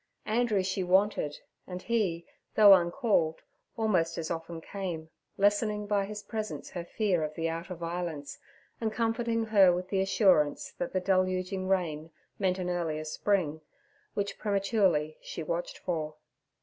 Andrew she wanted, and he, though uncalled, almost as often came, lessening by his presence her fear of the outer violence, and comforting her with the assurance that the deluging rain meant an earlier spring, which prematurely she watched for.